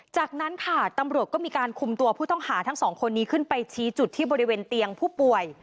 จากนั้นค่ะตำรวจก็มีการคุมตัวผู้ต้องหาทั้งสองคนนี้ขึ้นไปชี้จุดที่บริเวณเตียงผู้ป่วย